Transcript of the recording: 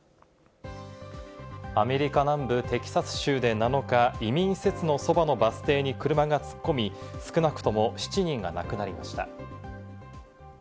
アメリカ南部テキサス州で７日、移民施設の側のバス停に車が突っ込み、少なくとも７人がなくなりました。